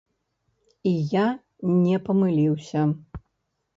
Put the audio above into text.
І я не памыліўся.